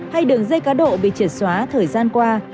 hay đường dây cá độ bị triệt xóa thời gian qua